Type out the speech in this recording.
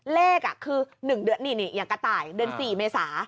เลขคือ๑เดือนนี่อย่างกระต่ายเดือน๔เมษา